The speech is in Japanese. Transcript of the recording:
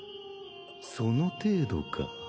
その程度か？